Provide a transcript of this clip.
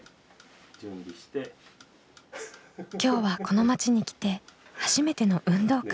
今日はこの町に来て初めての運動会。